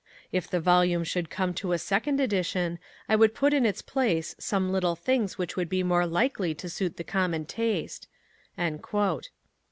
If the volume should come to a second edition, I would put in its place some little things which would be more likely to suit the common taste.